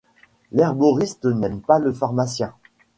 L’herboriste n’aime pas le pharmacien.